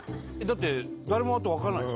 だって誰もあと分かんない。